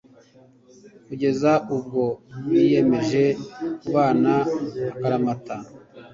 kugeza ubwo biyemeje kubana akaramata